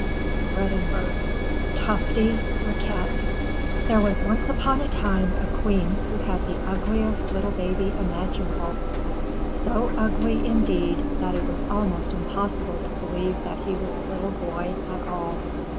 TUFTY RIQUET There was once upon a time a Queen who had the ugliest little baby imaginable, so ugly, indeed, that it was almost impossible to believe he was a little boy at all.